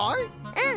うん。